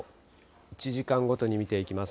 １時間ごとに見ていきます。